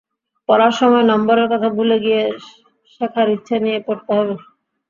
পড়ার সময় নম্বরের কথা ভুলে গিয়ে শেখার ইচ্ছা নিয়ে পড়তে হবে।